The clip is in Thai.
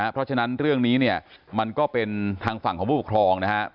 เพราะฉะนั้นเรื่องนี้เนี่ยมันก็เป็นทางฝั่งของผู้ปกครองนะครับ